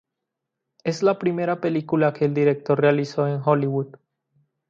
Es la primera película que el director realizó en Hollywood.